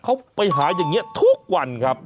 เขาไปหาอย่างนี้ทุกวันครับ